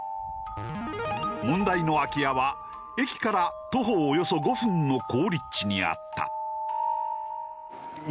問題の空き家は駅から徒歩およそ５分の好立地にあった。